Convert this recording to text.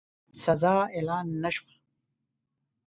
سزا اعلان نه شوه.